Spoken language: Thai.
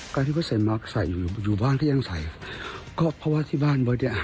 การที่เปอร์เซ็นต์มาใส่อยู่อยู่บ้านก็ยังใส่ก็เพราะว่าที่บ้านเบิร์ตเนี้ย